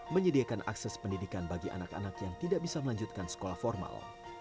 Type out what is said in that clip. menyediakan akses pendidikan bagi anak anak yang tidak bisa melanjutkan sekolah formal